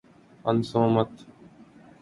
ہنسو مت